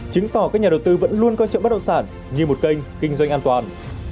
chứng tỏ các nhà đầu tư vẫn luôn coi trọng bất động sản như một kênh kinh doanh an toàn